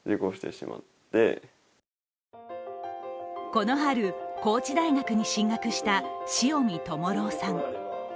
この春、高知大学に進学した塩見和朗さん。